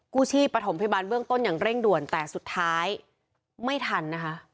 กู้ชีพประถมพยาบาลเบื้องต้นอย่างเร่งด่วนแต่สุดท้ายไม่ทันนะคะ